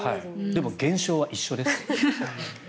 でも現象は一緒です。